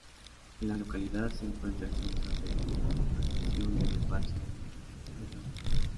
En la localidad se encuentra el Centro de Interpretación del Embalse del Ebro.